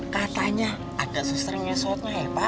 katanya agak sesering ya suatnya ya pak